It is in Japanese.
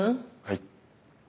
はい。